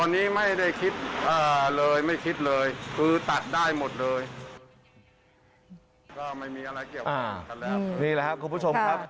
นี่แหละครับคุณผู้ชมครับ